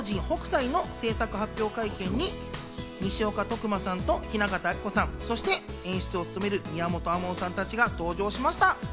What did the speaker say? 昨日、舞台『画狂人北斎』の製作発表会見に西岡徳馬さんと雛形あきこさん、そして演出を務める宮本亜門さん達が登場しました。